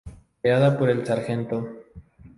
Creada por el Sgto.